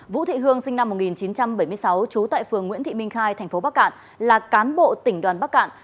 vũ thị hương sinh năm một nghìn chín trăm bảy mươi sáu trú tại phường nguyễn thị minh khai thành phố bắc cạn là cán bộ tỉnh đoàn bắc cạn